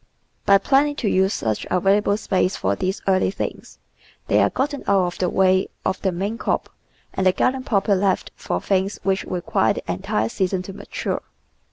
By planning to use such available space for these early things, they are gotten out of the way of the main crop and the garden proper left for things which require the entire season to mature.